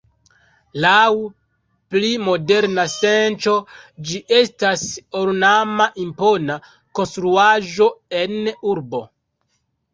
Laŭ pli moderna senco ĝi estas ornama impona konstruaĵo en urbo.